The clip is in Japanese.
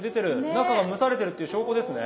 中が蒸されてるっていう証拠ですね。